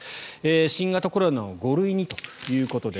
新型コロナを５類にということです。